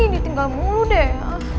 ditinggal mulu deh